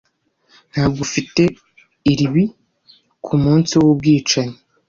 Ntabwo ufite alibi kumunsi wubwicanyi.